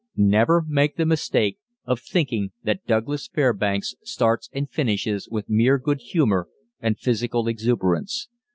Never make the mistake of thinking that Douglas Fairbanks starts and finishes with mere good humor and physical exuberance.